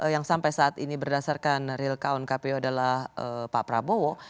yang sampai saat ini berdasarkan real count kpu adalah pak prabowo